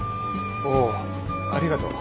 おおありがとう。